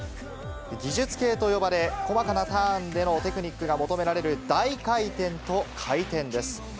技術系と呼ばれ、細かなターンでのテクニックが求められる大回転と回転です。